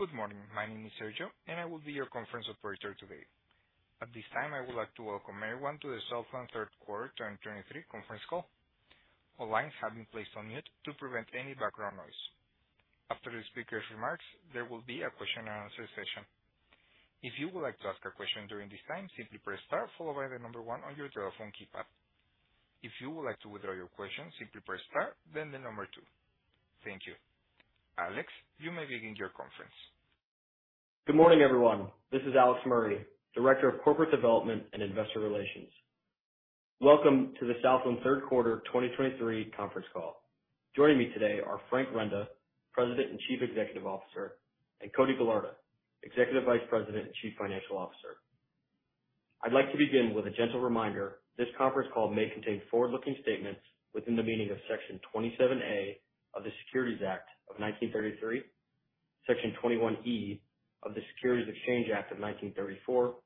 Good morning. My name is Sergio, and I will be your conference operator today. At this time, I would like to welcome everyone to the Southland Third Quarter 2023 conference call. All lines have been placed on mute to prevent any background noise. After the speaker's remarks, there will be a question and answer session. If you would like to ask a question during this time, simply press star followed by the number one on your telephone keypad. If you would like to withdraw your question, simply press star, then the number two. Thank you. Alex, you may begin your conference. Good morning, everyone. This is Alex Murray, Director of Corporate Development and Investor Relations. Welcome to the Southland Third Quarter 2023 conference call. Joining me today are Frank Renda, President and Chief Executive Officer, and Cody Gallarda, Executive Vice President and Chief Financial Officer. I'd like to begin with a gentle reminder. This conference call may contain forward-looking statements within the meaning of Section 27A of the Securities Act of 1933, Section 21E of the Securities Exchange Act of 1934,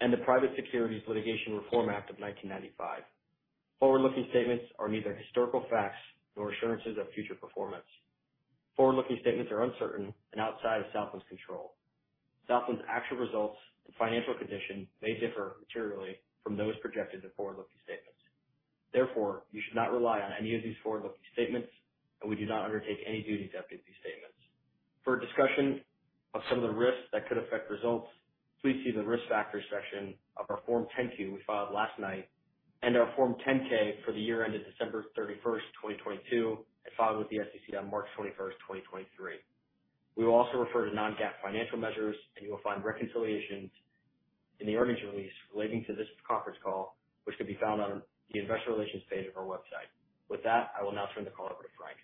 and the Private Securities Litigation Reform Act of 1995. Forward-looking statements are neither historical facts nor assurances of future performance. Forward-looking statements are uncertain and outside of Southland's control. Southland's actual results and financial condition may differ materially from those projected in forward-looking statements. Therefore, you should not rely on any of these forward-looking statements, and we do not undertake any duty to update these statements. For a discussion of some of the risks that could affect results, please see the Risk Factors section of our Form 10-Q we filed last night and our Form 10-K for the year ended December 31, 2022, as filed with the SEC on March 21, 2023. We will also refer to non-GAAP financial measures, and you will find reconciliations in the earnings release relating to this conference call, which can be found on the Investor Relations page of our website. With that, I will now turn the call over to Frank.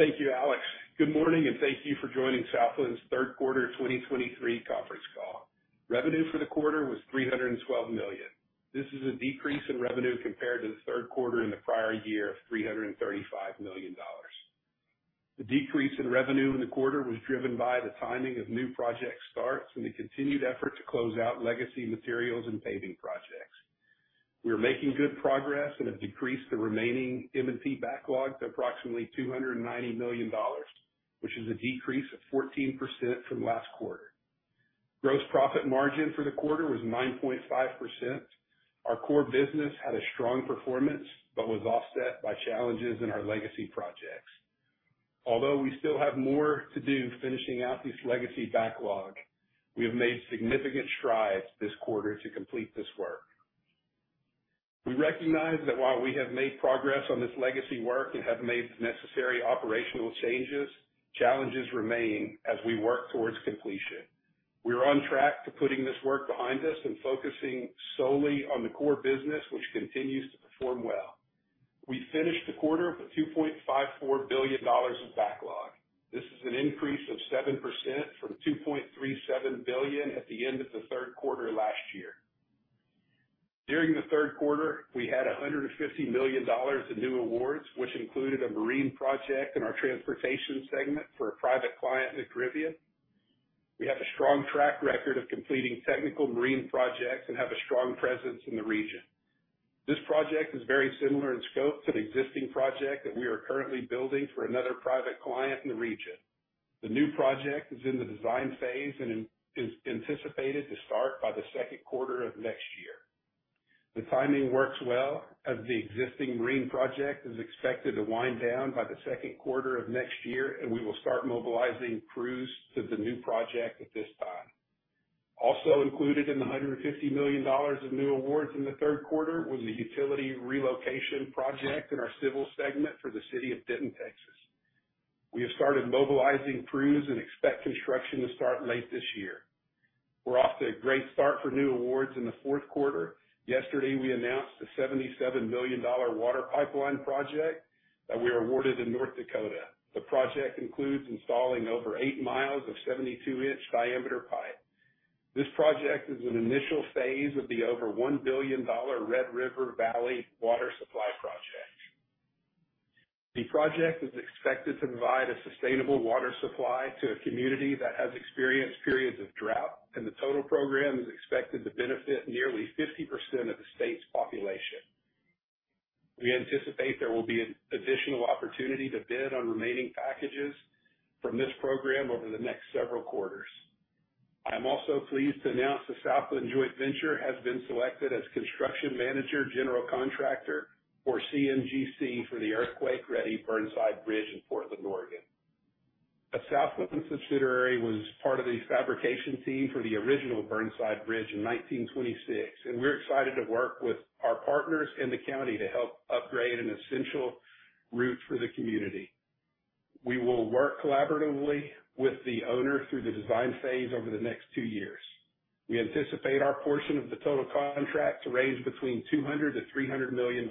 Thank you, Alex. Good morning, and thank you for joining Southland's Third Quarter 2023 conference call. Revenue for the quarter was $312 million. This is a decrease in revenue compared to the third quarter in the prior year of $335 million. The decrease in revenue in the quarter was driven by the timing of new project starts and the continued effort to close out legacy materials and paving projects. We are making good progress and have decreased the remaining M&P backlog to approximately $290 million, which is a decrease of 14% from last quarter. Gross profit margin for the quarter was 9.5%. Our core business had a strong performance, but was offset by challenges in our legacy projects. Although we still have more to do finishing out this legacy backlog, we have made significant strides this quarter to complete this work. We recognize that while we have made progress on this legacy work and have made the necessary operational changes, challenges remain as we work towards completion. We are on track to putting this work behind us and focusing solely on the core business, which continues to perform well. We finished the quarter with $2.54 billion of backlog. This is an increase of 7% from $2.37 billion at the end of the third quarter last year. During the third quarter, we had $150 million in new awards, which included a marine project in our Transportation segment for a private client in the Caribbean. We have a strong track record of completing technical marine projects and have a strong presence in the region. This project is very similar in scope to the existing project that we are currently building for another private client in the region. The new project is in the design phase and is anticipated to start by the second quarter of next year. The timing works well, as the existing marine project is expected to wind down by the second quarter of next year, and we will start mobilizing crews to the new project at this time. Also included in the $150 million of new awards in the third quarter was a utility relocation project in our Civil segment for the City of Denton, Texas. We have started mobilizing crews and expect construction to start late this year. We're off to a great start for new awards in the fourth quarter. Yesterday, we announced a $77 million water pipeline project that we were awarded in North Dakota. The project includes installing over 8 mi of 72-in diameter pipe. This project is an initial phase of the over $1 billion Red River Valley Water Supply Project. The project is expected to provide a sustainable water supply to a community that has experienced periods of drought, and the total program is expected to benefit nearly 50% of the state's population. We anticipate there will be an additional opportunity to bid on remaining packages from this program over the next several quarters. I'm also pleased to announce the Southland joint venture has been selected as Construction Manager, General Contractor, or CMGC, for the Earthquake Ready Burnside Bridge in Portland, Oregon. A Southland subsidiary was part of the fabrication team for the original Burnside Bridge in 1926, and we're excited to work with our partners in the county to help upgrade an essential route for the community. We will work collaboratively with the owner through the design phase over the next two years. We anticipate our portion of the total contract to range between $200 million-$300 million.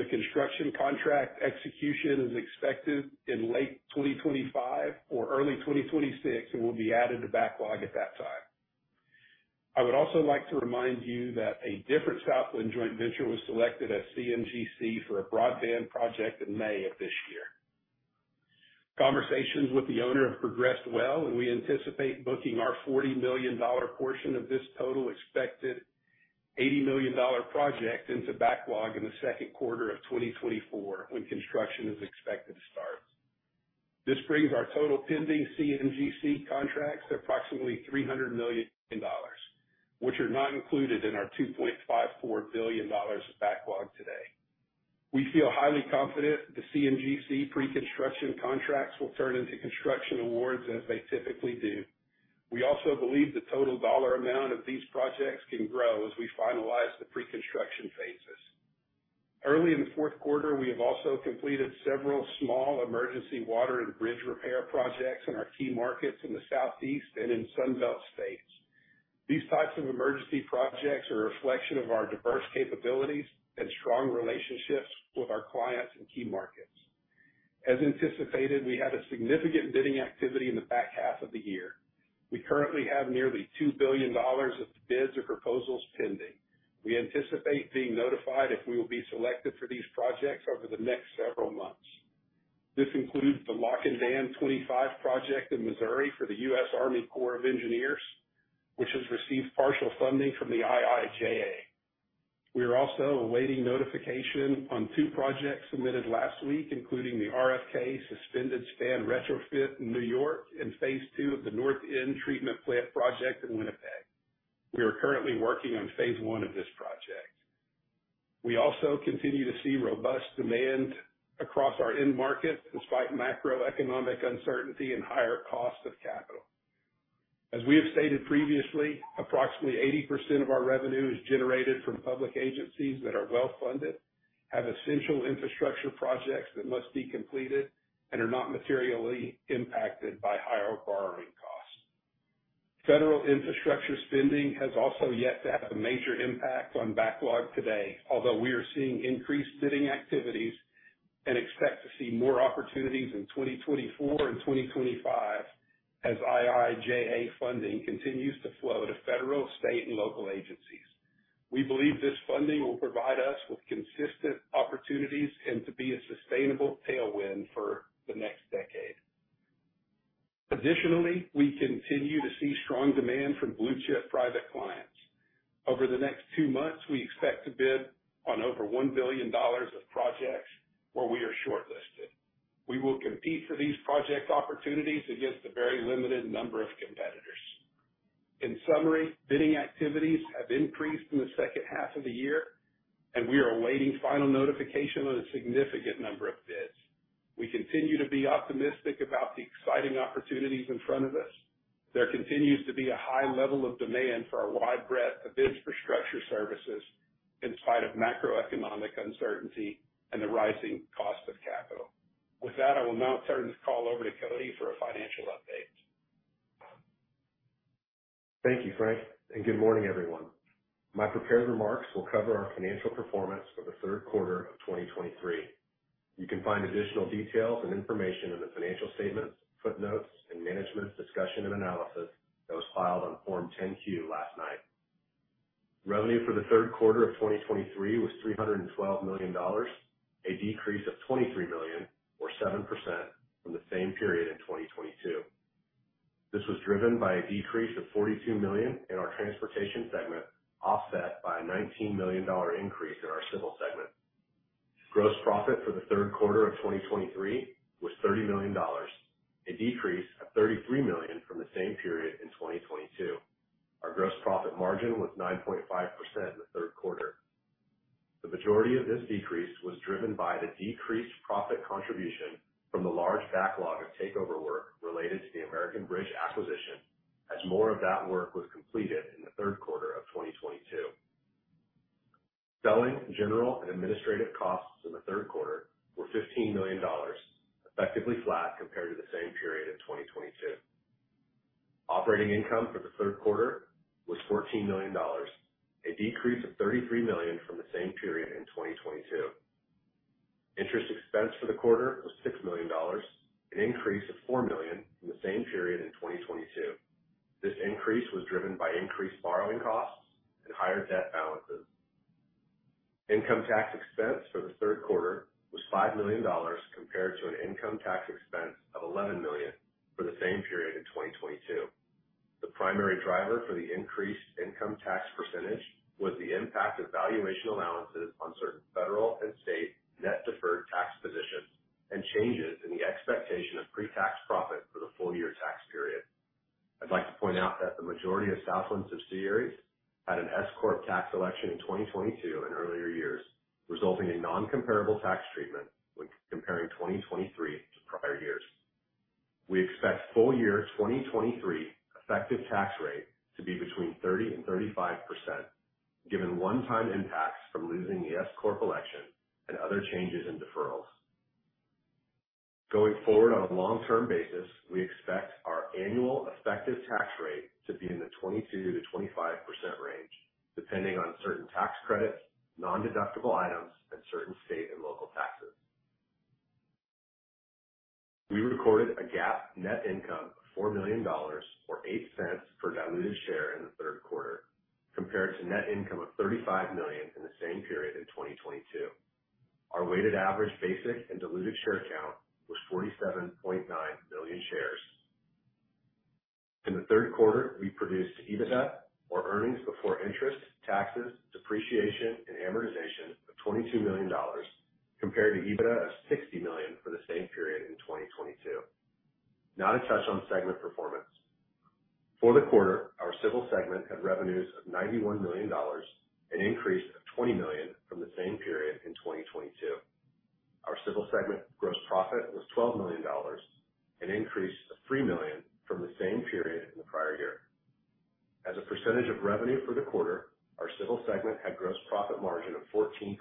The construction contract execution is expected in late 2025 or early 2026 and will be added to backlog at that time. I would also like to remind you that a different Southland joint venture was selected as CMGC for a broadband project in May of this year. Conversations with the owner have progressed well, and we anticipate booking our $40 million portion of this total expected $80 million project into backlog in the second quarter of 2024, when construction is expected to start. This brings our total pending CMGC contracts to approximately $300 million, which are not included in our $2.54 billion of backlog today. We feel highly confident the CMGC pre-construction contracts will turn into construction awards, as they typically do. We also believe the total dollar amount of these projects can grow as we finalize the pre-construction phases. Early in the fourth quarter, we have also completed several small emergency water and bridge repair projects in our key markets in the Southeast and in Sunbelt states. These types of emergency projects are a reflection of our diverse capabilities and strong relationships with our clients and key markets. As anticipated, we had a significant bidding activity in the back half of the year. We currently have nearly $2 billion of bids or proposals pending. We anticipate being notified if we will be selected for these projects over the next several months. This includes the Lock and Dam 25 project in Missouri for the U.S. Army Corps of Engineers, which has received partial funding from the IIJA. We are also awaiting notification on two projects submitted last week, including the RFK Suspended Span Retrofit in New York and Phase 2 of the North End Treatment Plant project in Winnipeg. We are currently working on Phase 1 of this project. We also continue to see robust demand across our end markets despite macroeconomic uncertainty and higher costs of capital. As we have stated previously, approximately 80% of our revenue is generated from public agencies that are well funded, have essential infrastructure projects that must be completed, and are not materially impacted by higher borrowing costs. Federal infrastructure spending has also yet to have a major impact on backlog today, although we are seeing increased bidding activities and expect to see more opportunities in 2024 and 2025 as IIJA funding continues to flow to federal, state, and local agencies. We believe this funding will provide us with consistent opportunities and to be a sustainable tailwind for the next decade. Additionally, we continue to see strong demand from blue chip private clients. Over the next two months, we expect to bid on over $1 billion of projects where we are shortlisted. We will compete for these project opportunities against a very limited number of competitors. In summary, bidding activities have increased in the second half of the year, and we are awaiting final notification on a significant number of bids. We continue to be optimistic about the exciting opportunities in front of us. There continues to be a high level of demand for our wide breadth of infrastructure services in spite of macroeconomic uncertainty and the rising cost of capital. With that, I will now turn this call over to Cody for a financial update. Thank you, Frank, and good morning, everyone. My prepared remarks will cover our financial performance for the third quarter of 2023. You can find additional details and information in the financial statements, footnotes, and management's discussion and analysis that was filed on Form 10-Q last night. Revenue for the third quarter of 2023 was $312 million, a decrease of $23 million, or 7%, from the same period in 2022. This was driven by a decrease of $42 million in our Transportation segment, offset by a $19 million increase in our Civil segment. Gross profit for the third quarter of 2023 was $30 million, a decrease of $33 million from the same period in 2022. Our gross profit margin was 9.5% in the third quarter. The majority of this decrease was driven by the decreased profit contribution from the large backlog of takeover work related to the American Bridge acquisition, as more of that work was completed in the third quarter of 2022. Selling, general and administrative costs in the third quarter were $15 million, effectively flat compared to the same period in 2022. Operating income for the third quarter was $14 million, a decrease of $33 million from the same period in 2022. Interest expense for the quarter was $6 million, an increase of $4 million from the same period in 2022. This increase was driven by increased borrowing costs and higher debt balances. Income tax expense for the third quarter was $5 million, compared to an income tax expense of $11 million for the same period in 2022. The primary driver for the increased income tax percentage was the impact of valuation allowances on certain federal and state net deferred tax positions and changes in the expectation of pre-tax profit for the full year tax period. I'd like to point out that the majority of Southland subsidiaries had an S Corp tax election in 2022 and earlier years, resulting in non-comparable tax treatment when comparing 2023 to prior years. We expect full year 2023 effective tax rate to be between 30% and 35%, given one-time impacts from losing the S Corp election and other changes in deferrals. Going forward on a long-term basis, we expect our annual effective tax rate to be in the 22%-25% range, depending on certain tax credits, nondeductible items, and certain state and local taxes. We recorded a GAAP net income of $4 million, or $0.08 per diluted share in the third quarter, compared to net income of $35 million in the same period in 2022. Our weighted average basic and diluted share count was 47.9 million shares. In the third quarter, we produced EBITDA, or earnings before interest, taxes, depreciation, and amortization, of $22 million, compared to EBITDA of $60 million for the same period in 2022. Now to touch on segment performance. For the quarter, our Civil segment had revenues of $91 million, an increase of $20 million from the same period in 2022. Our Civil segment gross profit was $12 million, an increase of $3 million from the same period in the prior year. As a percentage of revenue for the quarter, our Civil segment had gross profit margin of 14%,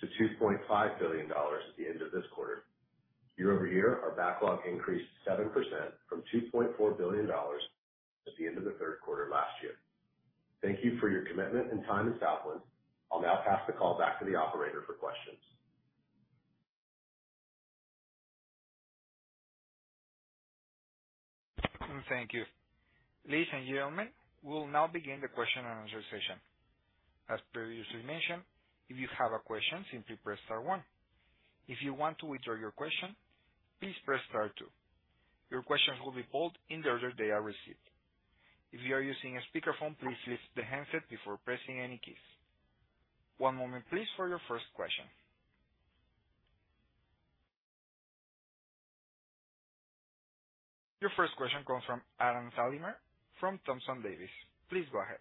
to $2.5 billion at the end of this quarter. Year-over-year, our backlog increased 7% from $2.4 billion at the end of the third quarter last year. Thank you for your commitment and time to Southland. I'll now pass the call back to the operator for questions. Thank you. Ladies and gentlemen, we'll now begin the question and answer session. As previously mentioned, if you have a question, simply press star one. If you want to withdraw your question, please press star two. Your questions will be pulled in the order they are received. If you are using a speakerphone, please lift the handset before pressing any keys. One moment please, for your first question. Your first question comes from Adam Thalhimer, from Thompson Davis. Please go ahead.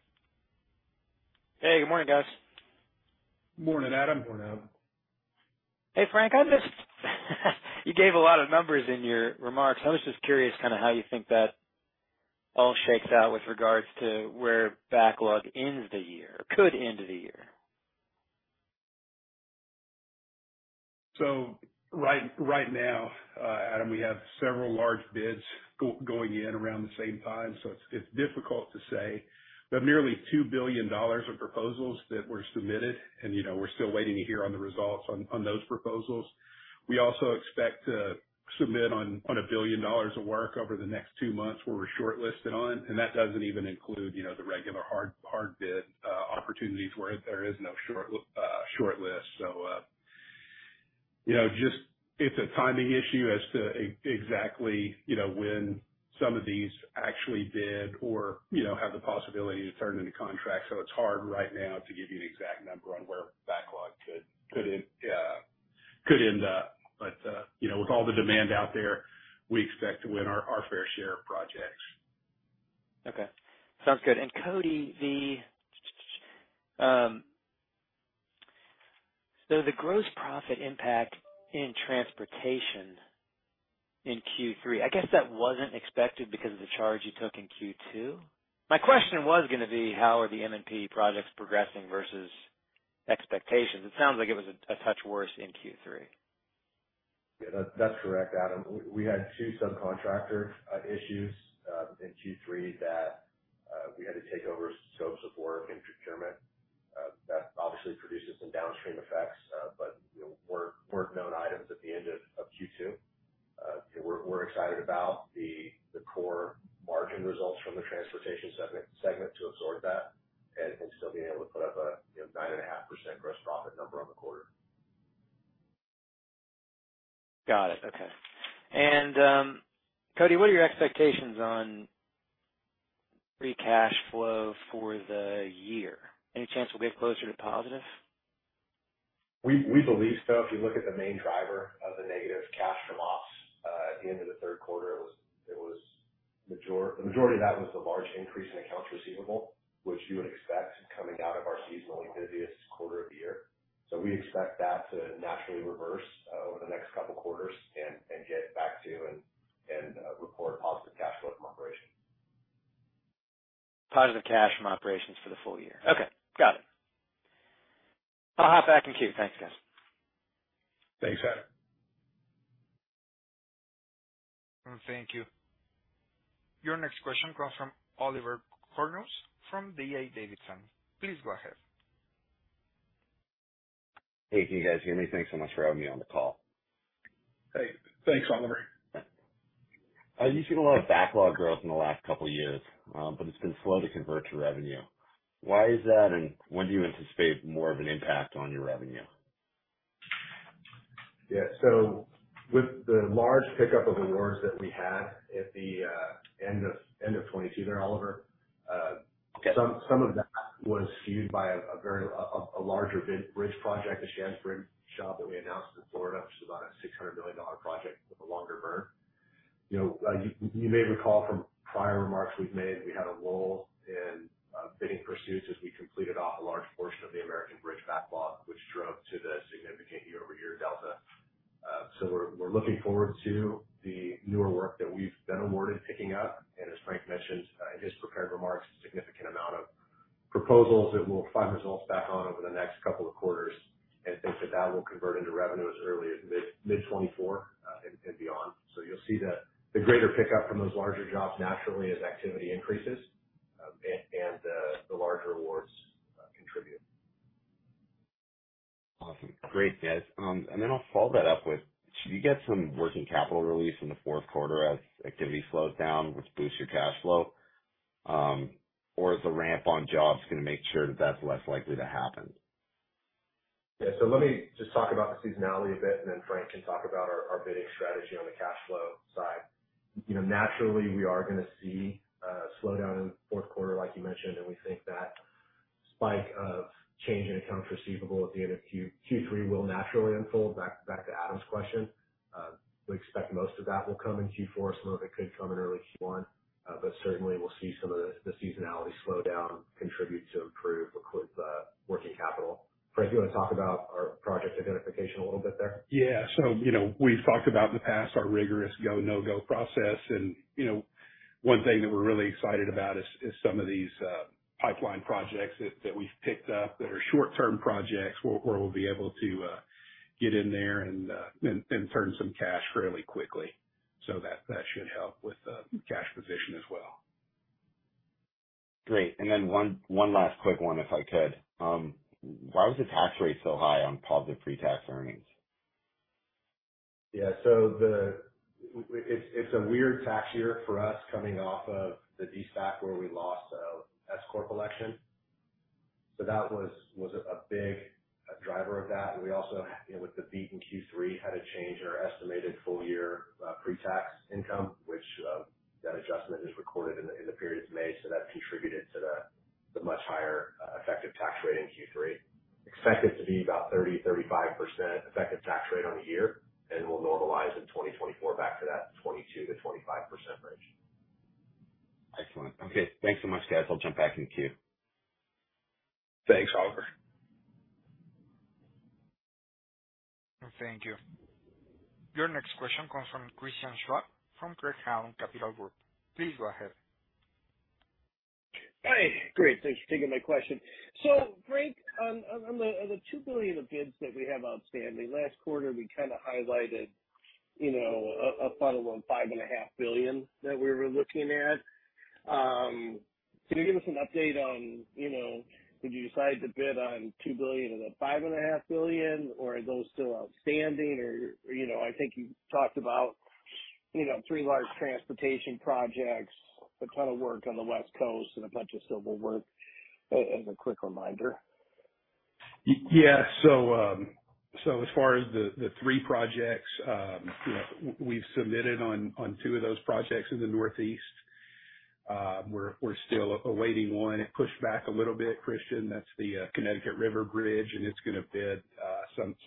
Hey, good morning, guys. Morning, Adam. Morning, Adam. Hey, Frank, I just, you gave a lot of numbers in your remarks. I was just curious kind of how you think that all shakes out with regards to where backlog ends the year, could end the year? Right now, Adam, we have several large bids going in around the same time, so it's difficult to say. Nearly $2 billion of proposals that were submitted, and, you know, we're still waiting to hear on the results on those proposals. We also expect to submit on $1 billion of work over the next two months, where we're shortlisted on, and that doesn't even include, you know, the regular hard bid opportunities, where there is no shortlist. You know, just it's a timing issue as to exactly, you know, when some of these actually bid or, you know, have the possibility to turn into contracts. It's hard right now to give you an exact number on where backlog could end up. You know, with all the demand out there, we expect to win our fair share of projects. Okay, sounds good. Cody, the, so the gross profit impact in transportation in Q3, I guess that wasn't expected because of the charge you took in Q2? My question was gonna be: how are the M&P projects progressing versus expectations? It sounds like it was a touch worse in Q3? Yeah, that's correct, Adam. We had two subcontractor issues in Q3 that we had to take over scopes of work and procurement. That obviously produces some downstream effects, but you know, were known items at the end of Q2. We're excited about the core margin results from the Transportation segment to absorb that and still being able to put up a you know, 9.5% gross profit number on the quarter. Got it. Okay. Cody, what are your expectations on free cash flow for the year? Any chance we'll get closer to positive? We, we believe so. If you look at the main driver of the negative cash from ops, at the end of the third quarter, the majority of that was the large increase in accounts receivable, which you would expect coming out of our seasonally busiest quarter of the year. We expect that to naturally reverse, over the next couple quarters and report positive cash flow from operations. Positive cash from operations for the full year. Okay, got it. I'll hop back in queue. Thanks, guys. Thanks, Adam. Thank you. Your next question comes from Oliver Chornous, from D.A. Davidson. Please go ahead. Hey, can you guys hear me? Thanks so much for having me on the call. Hey, thanks, Oliver. You've seen a lot of backlog growth in the last couple years, but it's been slow to convert to revenue. Why is that, and when do you anticipate more of an impact on your revenue? Yeah. With the large pickup of awards that we had at the end of 2022 there, Oliver, Okay. Some of that was skewed by a very large bridge project, the Shands Bridge job that we announced in Florida, which is about a $600 million project with a longer burn. You know, you may recall from prior remarks we've made, we had a lull in bidding pursuits as we completed off a large portion of the American Bridge backlog, which drove to the significant year-over-year delta. We're looking forward to the newer work that we've been awarded picking up, and as Frank mentioned in his prepared remarks, a significant amount of proposals that we'll find results back on over the next couple of quarters, and think that that will convert into revenue as early as mid-2024 and beyond. You'll see the greater pickup from those larger jobs naturally as activity increases, and the larger awards contribute. Awesome. Great news! Then I'll follow that up with, should you get some working capital release in the fourth quarter as activity slows down, which boosts your cash flow? Or is the ramp on jobs gonna make sure that that's less likely to happen? Yeah. Let me just talk about the seasonality a bit, and then Frank can talk about our bidding strategy on the cash flow side. You know, naturally, we are gonna see a slowdown in the fourth quarter, like you mentioned, and we think that spike of change in accounts receivable at the end of Q3 will naturally unfold. Back to Adam's question, we expect most of that will come in Q4. Some of it could come in early Q1, but certainly we'll see some of the seasonality slowdown contribute to improved working capital. Frank, you wanna talk about our project identification a little bit there? Yeah. You know, we've talked about in the past our rigorous go, no-go process. You know, one thing that we're really excited about is some of these pipeline projects that we've picked up that are short-term projects, where we'll be able to get in there and turn some cash fairly quickly. That should help with the cash position as well. Great. Then one, one last quick one, if I could. Why was the tax rate so high on positive pre-tax earnings? Yeah. It's a weird tax year for us coming off of the SPAC, where we lost an S Corp election. That was a big driver of that. We also, you know, with the beat in Q3, had to change our estimated full year pre-tax income, which that adjustment is recorded in the period of May, so that contributed to the much higher effective tax rate in Q3. Expect it to be about 30%-35% effective tax rate on the year, and will normalize in 2024 back to that 22%-25% range. Excellent. Okay, thanks so much, guys. I'll jump back in the queue. Thanks, Oliver. Thank you. Your next question comes from Christian Schwab from Craig-Hallum Capital Group. Please go ahead. Hey, great. Thanks for taking my question. Frank, on the $2 billion of bids that we have outstanding, last quarter we kind of highlighted, you know, a funnel on $5.5 billion that we were looking at. Can you give us an update on, you know, did you decide to bid on $2 billion of the $5.5 billion, or are those still outstanding? Or, you know, I think you talked about, you know, three large transportation projects, a ton of work on the West Coast, and a bunch of civil work, as a quick reminder. Yeah. As far as the three projects, you know, we've submitted on two of those projects in the Northeast. We're still awaiting one. It pushed back a little bit, Christian. That's the Connecticut River Bridge, and it's gonna bid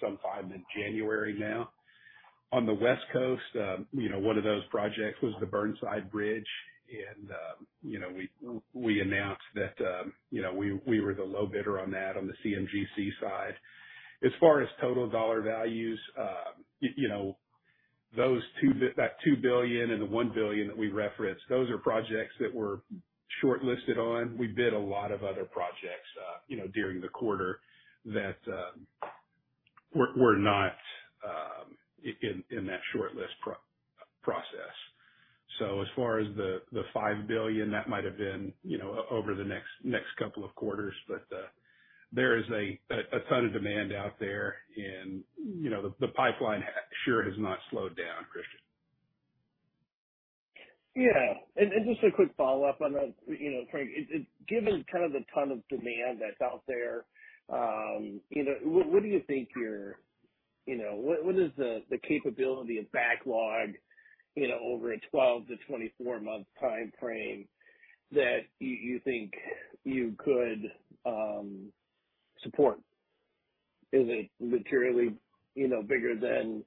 sometime in January now. On the West Coast, you know, one of those projects was the Burnside Bridge, and we announced that we were the low bidder on that on the CMGC side. As far as total dollar values, you know, that $2 billion and the $1 billion that we referenced, those are projects that we're shortlisted on. We bid a lot of other projects, you know, during the quarter, that were not in that shortlist process. As far as the $5 billion, that might have been, you know, over the next couple of quarters. There is a ton of demand out there and, you know, the pipeline sure has not slowed down, Christian. Yeah. Just a quick follow-up on that, you know, Frank, given kind of the ton of demand that's out there, you know, what do you think your, you know, what is the capability of backlog, you know, over a 12 month-24 month time frame that you think you could support? Is it materially, you know, bigger than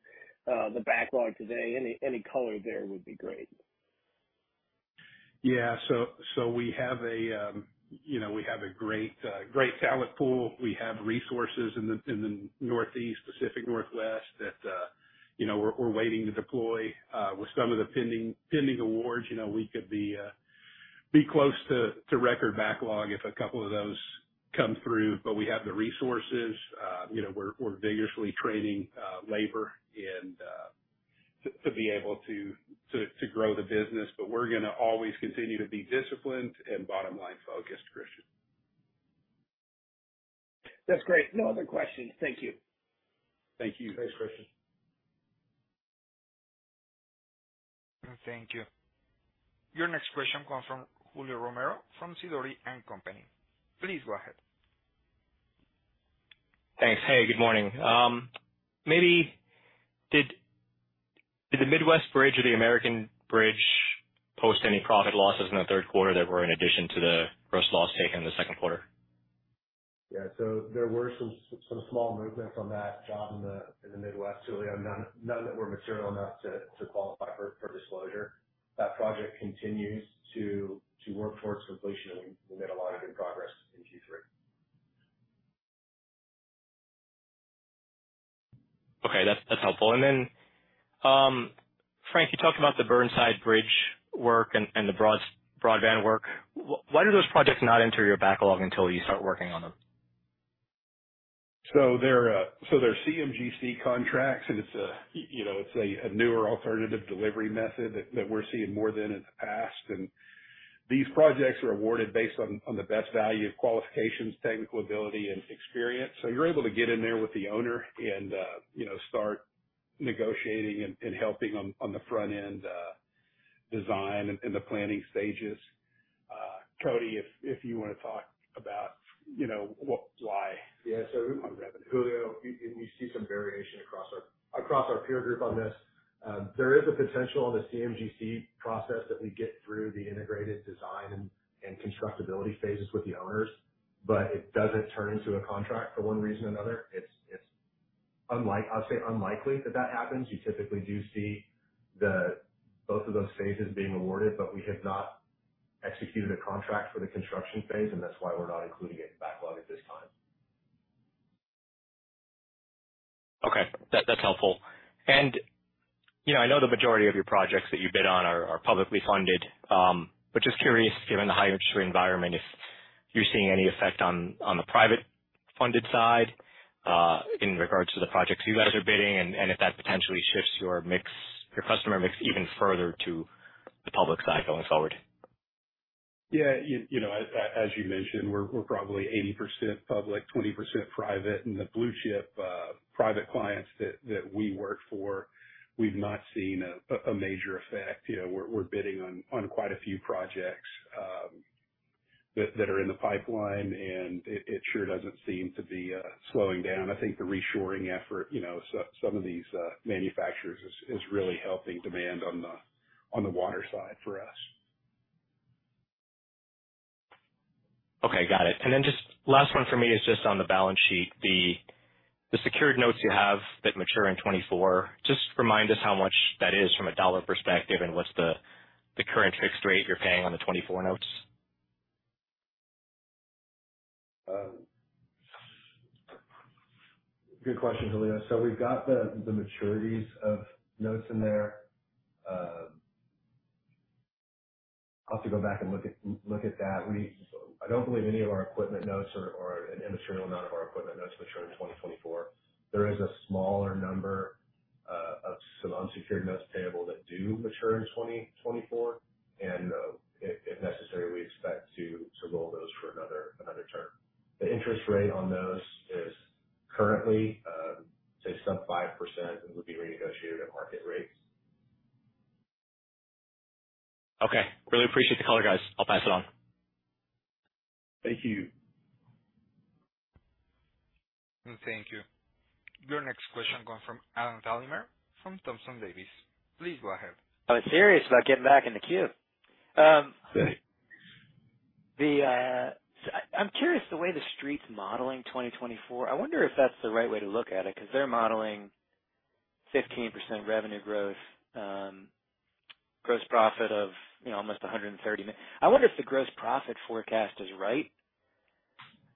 the backlog today? Any color there would be great. Yeah. We have a, you know, we have a great talent pool. We have resources in the Northeast, Pacific Northwest, that, you know, we're waiting to deploy. With some of the pending awards, you know, we could be close to record backlog if a couple of those come through. But we have the resources. You know, we're vigorously training labor, and to be able to grow the business. But we're gonna always continue to be disciplined and bottom line focused, Christian. That's great. No other questions. Thank you. Thank you. Thanks, Christian. Thank you. Your next question comes from Julio Romero from Sidoti & Company. Please go ahead. Thanks. Hey, good morning. Maybe did the Midwest bridge or the American Bridge post any profit losses in the third quarter that were in addition to the gross loss taken in the second quarter? Yeah. There were some small movements on that job in the Midwest, Julio. None that were material enough to qualify for disclosure. That project continues to work towards completion, and we made a lot of good progress in Q3. Okay, that's, that's helpful. Then, Frank, you talked about the Burnside Bridge work and the broadband work. Why do those projects not enter your backlog until you start working on them? They're CMGC contracts, and it's a, you know, it's a newer alternative delivery method that we're seeing more than in the past. These projects are awarded based on the best value of qualifications, technical ability, and experience. You're able to get in there with the owner and, you know, start negotiating and helping on the front end, design and the planning stages. Cody, if you wanna talk about, you know, what, why? Yeah. Julio, we see some variation across our peer group on this. There is a potential on the CMGC process that we get through the integrated design and constructability phases with the owners, but it doesn't turn into a contract for one reason or another. It's unlike I'll say unlikely that that happens. You typically do see both of those phases being awarded, but we have not executed a contract for the construction phase, and that's why we're not including it in backlog at this time. Okay, that's helpful. You know, I know the majority of your projects that you bid on are publicly funded. Just curious, given the high interest rate environment, if you're seeing any effect on the private funded side, in regards to the projects you guys are bidding, and if that potentially shifts your mix, your customer mix even further to the public side going forward? Yeah, you know, as you mentioned, we're probably 80% public, 20% private. In the blue chip private clients that we work for, we've not seen a major effect. You know, we're bidding on quite a few projects that are in the pipeline, and it sure doesn't seem to be slowing down. I think the reshoring effort, you know, some of these manufacturers is really helping demand on the water side for us. Okay, got it. Then just last one for me is just on the balance sheet, the secured notes you have that mature in 2024. Just remind us how much that is from a dollar perspective, and what's the current fixed rate you're paying on the 2024 notes? Good question, Julio. We've got the maturities of notes in there. I'll have to go back and look at that. I don't believe any of our equipment notes or an immaterial amount of our equipment notes mature in 2024. There is a smaller number of some unsecured notes payable that do mature in 2024, and if necessary, we expect to roll those for another term. The interest rate on those is currently, say, sub 5% and would be renegotiated at market rates. Okay. Really appreciate the color, guys. I'll pass it on. Thank you. Thank you. Your next question coming from Adam Thalhimer from Thompson Davis. Please go ahead. I was serious about getting back in the queue. I'm curious, the way the street's modeling 2024, I wonder if that's the right way to look at it, because they're modeling 15% revenue growth, gross profit of, you know, almost $130 million. I wonder if the gross profit forecast is right?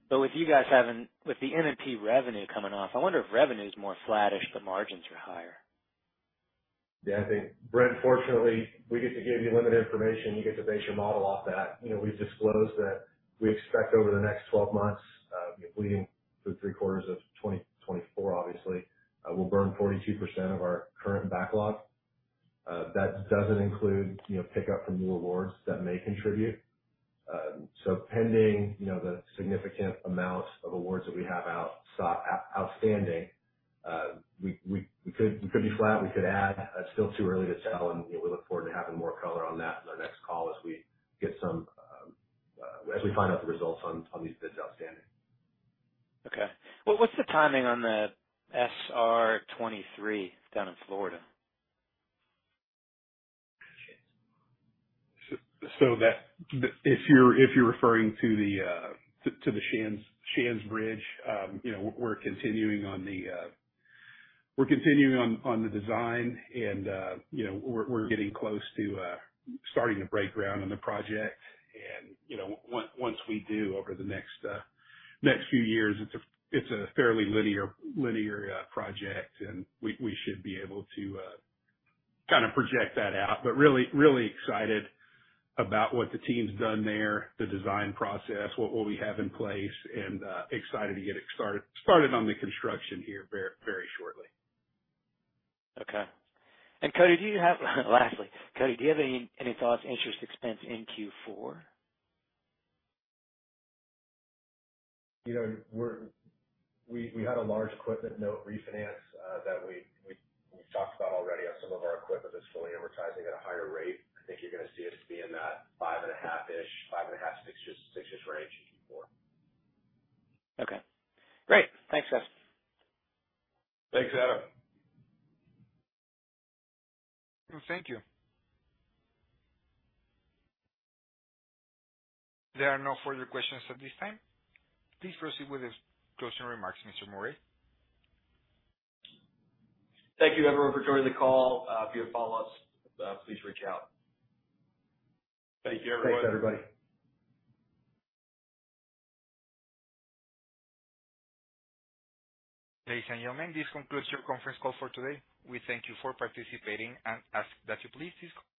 But with you guys having, with the M&P revenue coming off, I wonder if revenue is more flattish, but margins are higher? Yeah, I think, fortunately, we get to give you limited information. You get to base your model off that. You know, we've disclosed that we expect over the next 12 months, including the three quarters of 2024, obviously, we'll burn 42% of our current backlog. That doesn't include, you know, pickup from new awards that may contribute. Pending, you know, the significant amount of awards that we have outstanding, we could be flat, we could add. It's still too early to tell, and, you know, we look forward to having more color on that on the next call as we get some, as we find out the results on these bids outstanding. Okay. What, what's the timing on the SR-23 down in Florida? If you're referring to the Shands Bridge, you know, we're continuing on the design and, you know, we're getting close to starting to break ground on the project. You know, once we do, over the next few years, it's a fairly linear project, and we should be able to kind of project that out. Really excited about what the team's done there, the design process, what we have in place, and excited to get it started on the construction here very shortly. Okay. Cody, do you have, lastly, Cody, do you have any thoughts on interest expense in Q4? You know, we're, we had a large equipment note refinance that we talked about already on some of our equipment that's fully depreciating at a higher rate. I think you're gonna see us be in that 5.5-ish to 6-ish range in Q4. Okay. Great. Thanks, guys. Thanks, Adam. Thank you. There are no further questions at this time. Please proceed with the closing remarks, Mr. Murray. Thank you, everyone, for joining the call. If you have follow-ups, please reach out. Thank you, everyone. Thanks, everybody. Ladies and gentlemen, this concludes your conference call for today. We thank you for participating and ask that you please disconnect.